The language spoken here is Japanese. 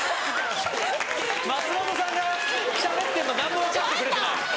松本さんがしゃべってるの何も分かってくれてない。